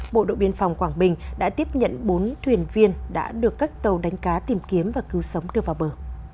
bộ đội biên phòng quảng bình đã tiếp nhận bốn thuyền viên đã được các tàu đánh cá tìm kiếm và cứu sống đưa vào bờ